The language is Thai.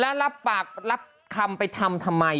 แล้วรับปากรับคำไปทำทำไม